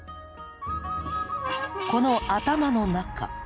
この頭の中。